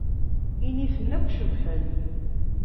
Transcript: Initen akk cebḥen.